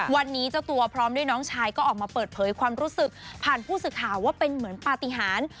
วันนี้เจ้าตัวพร้อมด้วยน้องชายก็ออกมาเปิดเผยความรู้สึกผ่านผู้สื่อข่าวว่าเป็นเหมือนปฏิหาร